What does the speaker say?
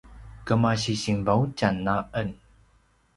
kemasi sinvaudjan a en